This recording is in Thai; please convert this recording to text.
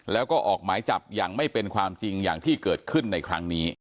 แล้วก็ออกหมายจับอย่างไม่เป็นความจริงอย่างที่เกิดขึ้นในครั้งนี้